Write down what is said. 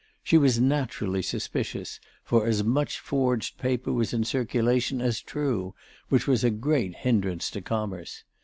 She was naturally suspicious, for as much forged paper was in circulation as true, which was a great hindrance to commerce.